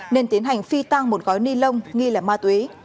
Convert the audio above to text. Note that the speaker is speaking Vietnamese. nên tiến hành phi tăng một gói ni lông nghi là ma túy